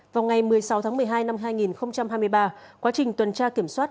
vào ngày một mươi sáu tháng một mươi hai năm hai nghìn hai mươi ba quá trình tuần tra kiểm soát